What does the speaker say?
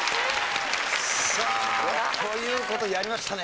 さあという事でやりましたね。